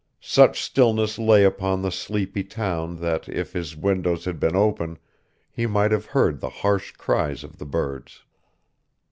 Such stillness lay upon the sleepy town that if his windows had been open, he might have heard the harsh cries of the birds.